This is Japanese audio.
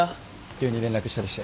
急に連絡したりして